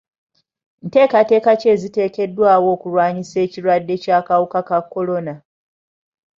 Nteekateeka ki eziteekeddwawo okulwanyisa ekirwadde ky'akawuka ka kolona?